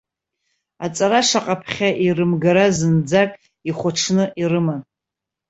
Аҵара шаҟа ԥхьа ирымгара, зынӡак ихәаҽны ирыман.